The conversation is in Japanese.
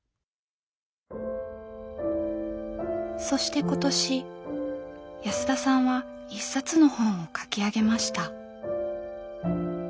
そして今年安田さんは一冊の本を書き上げました。